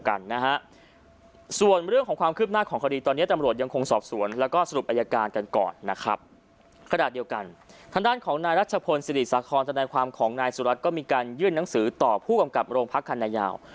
กันก่อนนะครับขณะเดียวกันทางด้านของนายรัชพลสิริษฐศาสตร์ความของนายสุรัตน์ก็มีการเยื่อนหนังสือต่อผู้กำกับโรงพักษณะยาว